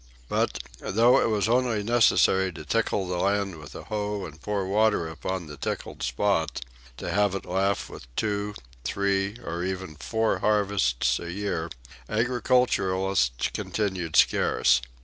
But, though it was only necessary to tickle the land with a hoe and pour water upon the tickled spot, to have it laugh with two, three or even four harvests a year, agriculturists continued scarce.